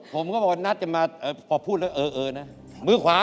ผมก็พอนัดกันมาพอพูดแล้วเออนะ